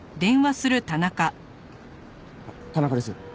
田中です。